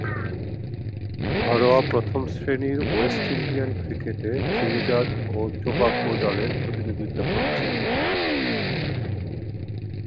ঘরোয়া প্রথম-শ্রেণীর West Indian ক্রিকেটে ত্রিনিদাদ ও টোবাগো দলের প্রতিনিধিত্ব করেছেন।